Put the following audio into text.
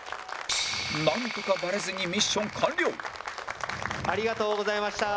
なんとかバレずにミッション完了ありがとうございました。